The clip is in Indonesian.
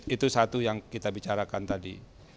itu satu yang kita bicarakan tadi